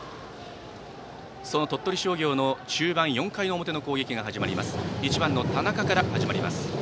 その鳥取商業の中盤、４回の表の攻撃は１番の田中から始まります。